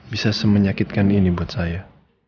bisa semenyakitkan ini buat saya